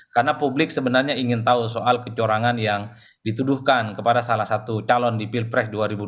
karena publik sebenarnya ingin tahu soal kecorangan yang dituduhkan kepada salah satu calon di pilpres dua ribu dua puluh empat